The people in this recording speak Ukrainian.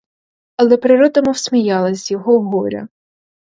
Але природа мов сміялася з його горя.